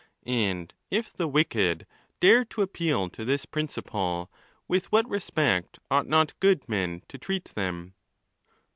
And if the wicked dare to appeal to this principle, with what respect ought not good men to treat them